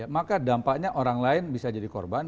maka dampaknya orang lain bisa jadi korban